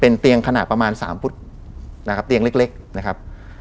เป็นเตียงขนาดประมาณ๓ฟุตนะครับเตียงเล็กนะครับ